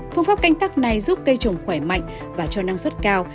phương pháp canh tắc này giúp cây trồng khỏe mạnh và cho năng suất cao